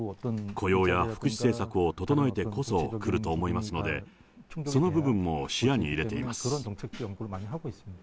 雇用や福祉政策を整えてこそ、来ると思いますので、その部分も視野に入れています。